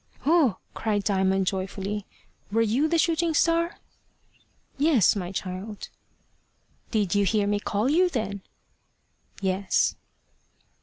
"Oh!" cried Diamond, joyfully, "were you the shooting star?" "Yes, my child." "Did you hear me call you then?" "Yes."